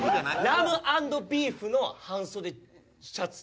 ラム＆ビーフの半袖シャツジャケット。